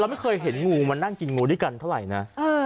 ไม่เคยเห็นงูมานั่งกินงูด้วยกันเท่าไหร่นะ